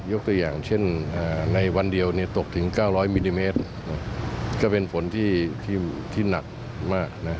ตัวอย่างเช่นในวันเดียวตกถึง๙๐๐มิลลิเมตรก็เป็นฝนที่หนักมากนะ